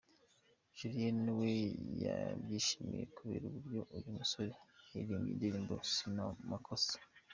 Juliana we yabyishimiye kubera uburyo uyu musore yaririmbye indirimbo Sina Makosa.